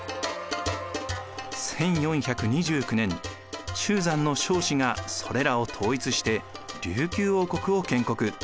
１４２９年中山の尚氏がそれらを統一して琉球王国を建国。